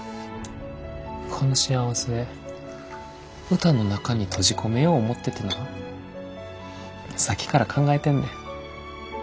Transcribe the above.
この幸せ歌の中に閉じ込めよう思っててなさっきから考えてんねん。